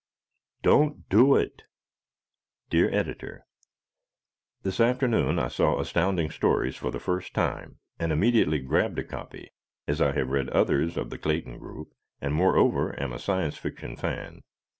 "Don't Do It!" Dear Editor: This afternoon I saw Astounding Stories for the first time and immediately grabbed a copy, as I have read others of the Clayton group, and moreover am a Science Fiction fan.